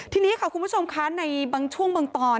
ทีนี้ค่ะคุณผู้ชมคะในบางช่วงบางตอน